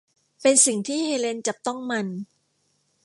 เป็นสิ่งที่เฮเลนจับต้องมัน